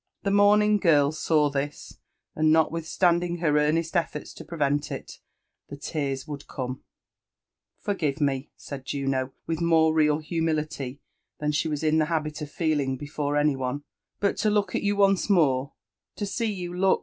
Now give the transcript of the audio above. The mourning girl saw this, and notwithstandiog her earoest effort to prevent it, the tears would come, *' Forgive me I" said Juno with more real humility than she wag in the habit of feeling before any one ;'* but to look at you onee more to see you look.